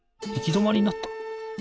どまりになった！